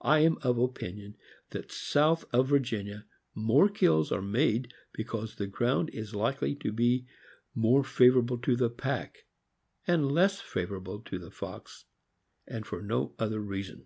I am of opinion that south of Virginia more kills are made because the ground is likely to be more favorable to the pack and less favorable to the fox, and for no other reason.